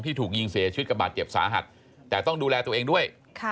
ถูกยิงเสียชีวิตกับบาดเจ็บสาหัสแต่ต้องดูแลตัวเองด้วย